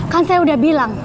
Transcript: kan saya udah bilang